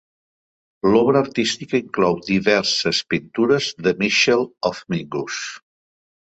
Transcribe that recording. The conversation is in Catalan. L'obra artística inclou diverses pintures de Mitchell of Mingus.